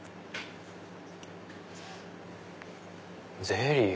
ゼリー？